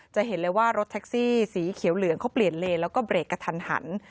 จะเห็นเลยว่ารถแท็กซี่สีเขียวเหลืองเขาเปลี่ยนเลนแล้วก็เบรกกระทันหัน